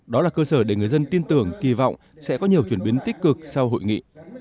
đó là cơ sở để người dân tin tưởng kỳ vọng sẽ có nhiều chuyển biến tích cực sau hội nghị